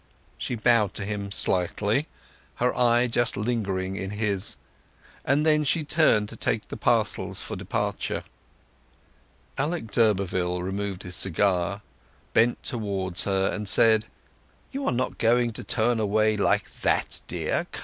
She bowed to him slightly, her eye just lingering in his; and then she turned to take the parcels for departure. Alec d'Urberville removed his cigar, bent towards her, and said— "You are not going to turn away like that, dear!